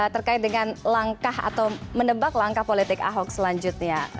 terkait dengan langkah atau menebak langkah politik ahok selanjutnya